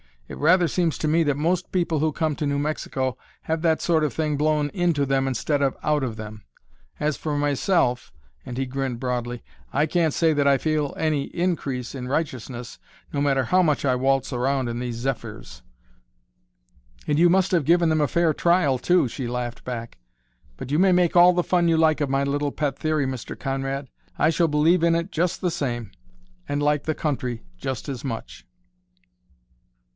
It rather seems to me that most people who come to New Mexico have that sort of thing blown into them instead of out of them. As for myself," and he grinned broadly, "I can't say that I feel any increase in righteousness, no matter how much I waltz around in these zephyrs." "And you must have given them a fair trial, too!" she laughed back. "But you may make all the fun you like of my little pet theory, Mr. Conrad. I shall believe in it just the same, and like the country just as much."